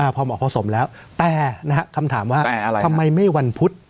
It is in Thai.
พอเหมาะพอสมแล้วแต่คำถามว่าทำไมไม่วันพุธ